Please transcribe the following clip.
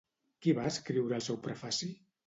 Qui va escriure el seu prefaci?